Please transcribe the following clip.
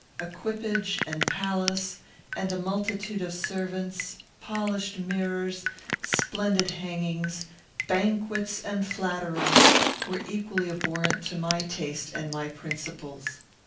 Equipage, and palace, and a multitude of servants; polished mirrors, splendid hangings, banquets, and flatterers, were equally abhorrent to my taste and my principles.